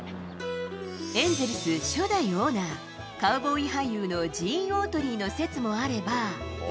エンゼルス初代オーナー、カウボーイ俳優のジーン・オートリーの説もあれば。